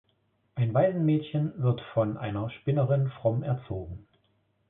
Ein Waisenmädchen wird von einer Spinnerin fromm erzogen.